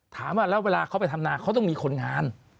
ถามว่าแล้วเวลาเขาไปทำนาเขาต้องมีคนงาน